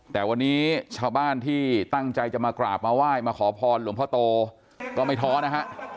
แต่วันนี้ชาวบ้านที่ตั้งใจจะมากราบมาไหว้มาขอพรหลวงพ่อโตก็ไม่ท้อนะฮะ